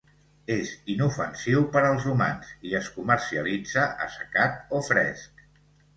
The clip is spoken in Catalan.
És inofensiu per als humans i es comercialitza assecat o fresc.